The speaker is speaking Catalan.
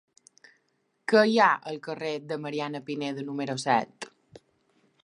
Què hi ha al carrer de Mariana Pineda número set?